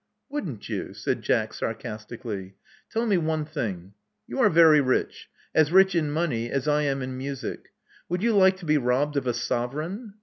" "Wouldn't you.?" said Jack, sarcastically. "Tell me one thmg. You are very rich— as rich in money as I am in music. Would you like to be robbed of a sovereign?"